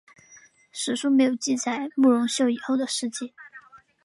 史书没有记载慕容秀以后的事迹。